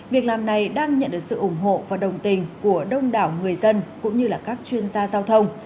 việc làm này đang nhận được sự ủng hộ và đồng tình của đông đảo người dân cũng như các chuyên gia giao thông